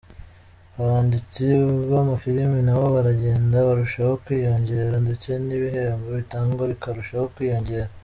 Abanditsi b’amafilimi nabo baragenda barushaho kwiyongera ndetse n’ibihembo bitangwa bikarushaho kwiyongera.